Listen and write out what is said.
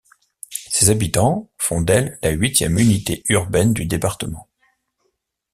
Ses habitants font d'elle la huitième unité urbaine du département.